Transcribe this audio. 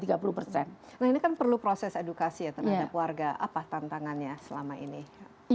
nah ini kan perlu proses edukasi ya terhadap warga apa tantangannya selama ini